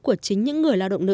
của chính những người lao động nữ